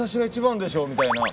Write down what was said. みたいな。